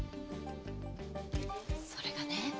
それがね